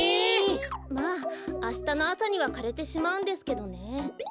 まああしたのあさにはかれてしまうんですけどね。